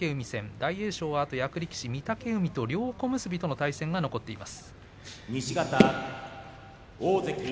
大栄翔はあとは役力士、御嶽海両小結との対戦が残っています。